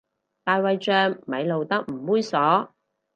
大衛像咪露得唔猥褻